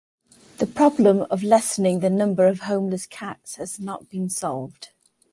The problem of lessening the number of homeless cats has not been solved.